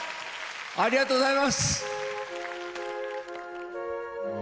ありがとうございます。